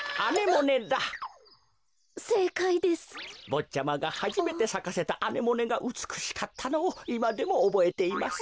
ぼっちゃまがはじめてさかせたアネモネがうつくしかったのをいまでもおぼえています。